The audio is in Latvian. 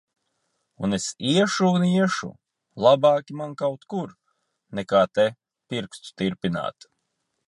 Un es iešu un iešu! Labāki man kaut kur, nekā te, pirkstus tirpināt.